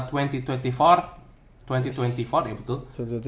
dan kita langsung tag tiga episode beruntun